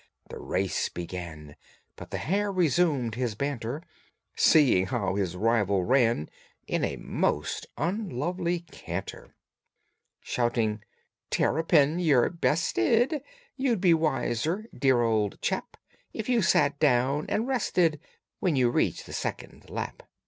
The race began, But the hare resumed his banter, Seeing how his rival ran In a most unlovely canter. Shouting, "Terrapin, you're bested! You'd be wiser, dear old chap, If you sat you down and rested When you reach the second lap."